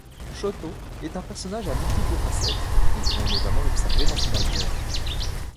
Shoto est un personnage à multiple facettes, nous pouvons notamment l'observer dans son alter.